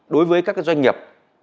đối với các doanh nghiệp